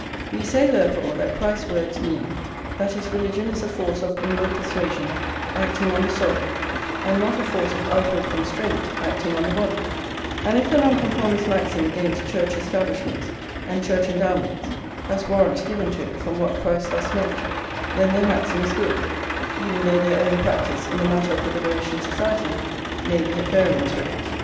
We say, therefore, that Christ's words mean that his religion is a force of inward persuasion acting on the soul, and not a force of outward constraint acting on the body; and if the Nonconformist maxim against Church establishments and Church endowments has warrant given to it from what Christ thus meant, then their maxim is good, even though their own practice in the matter of the Liberation Society may be at variance with it.